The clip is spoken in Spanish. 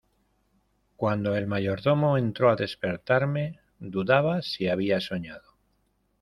cuando el mayordomo entró a despertarme, dudaba si había soñado: